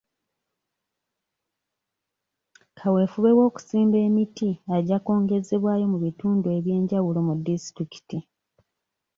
Kaweefube w'okusimba emiti ajja kwongezebwayo mu bitundu eby'enjawulo mu disitulikiti.